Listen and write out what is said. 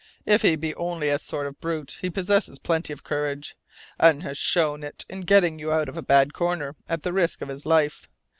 If he be only a sort of brute, he possesses plenty of courage, and has showed it in getting you out of a bad corner at the risk of his life.